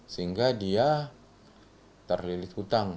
sehingga dia terlilit utang